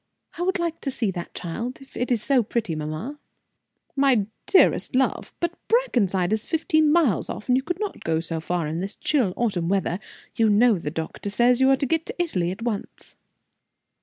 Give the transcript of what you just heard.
I would like to see that child, if it is so pretty, mamma." "My dearest love! But Brackenside is fifteen miles off, and you could not go so far in this chill autumn weather. You know the doctor says you must get to Italy at once."